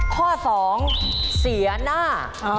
ข้อสองเสียหน้า